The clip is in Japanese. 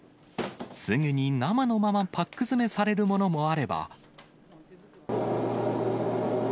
すぐに生のままパック詰めされるものもあれば。